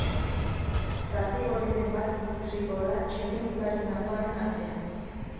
Zapi gorriren bat ikusiko da txirrindulari nafarren artean.